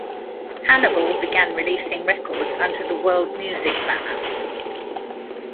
Hannibal began releasing records under the world music banner.